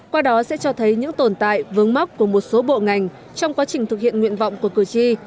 qua đó sẽ cho thấy những tồn tại vướng mắc của một số bộ ngành trong quá trình thực hiện nguyện vọng của cử tri